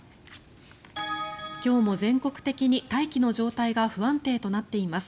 今日も全国的に大気の状態が不安定となっています。